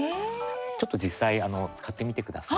ちょっと実際、使ってみてください。